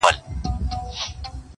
• ته به زیارت یې د شهیدانو -